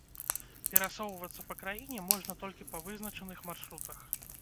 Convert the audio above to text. Перасоўвацца па краіне можна толькі па вызначаных маршрутах.